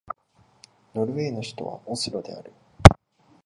ノルウェーの首都はオスロである